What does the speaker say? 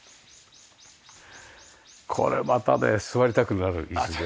これまたね座りたくなる椅子で。